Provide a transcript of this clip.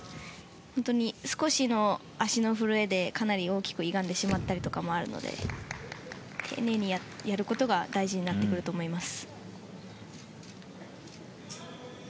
本当に少しの足の震えでかなり大きくゆがんでしまったりとかもあるので丁寧にやることが大事になってくると思います。